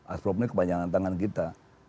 asprop ini kepanjangan tangan kita